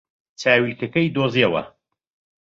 چاویلکەکەی دۆزییەوە.